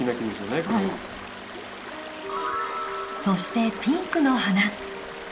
そしてピンクの花。